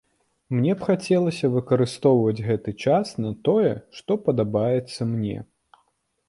Мне б хацелася выкарыстоўваць гэты час на тое, што падабаецца мне.